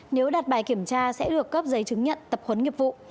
nếu đặt bài kiểm tra sẽ được cấp giấy chứng nhận tập huấn nghiệp vụ